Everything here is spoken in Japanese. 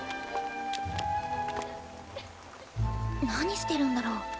何してるんだろう。